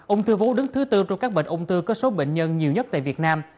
ông thư vũ đứng thứ tư trong các bệnh ông thư có số bệnh nhân nhiều nhất tại việt nam